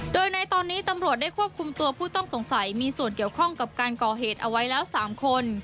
โดยในตอนนี้ตำรวจได้ควบคุมตัวผู้ต้องสงสัยมีส่วนเกี่ยวข้องกับการก่อเหตุเอาไว้แล้ว๓คน